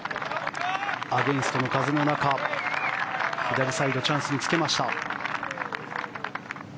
アゲンストの風の中左サイドチャンスにつけました。